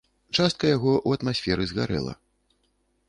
Частка яго ў атмасферы згарэла.